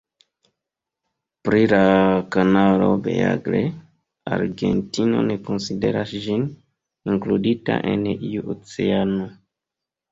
Pri la kanalo Beagle, Argentino ne konsideras ĝin inkludita en iu oceano.